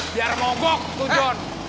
biar mogok tuh john